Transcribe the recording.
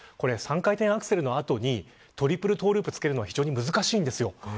これ、３回転アクセルの後にトリプルトゥループをつけるのは非常に難しいんです。